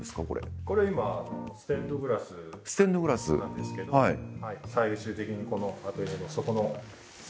これこれは今ステンドグラスなんですけどああっここ！？